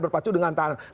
berpacu dengan tahanan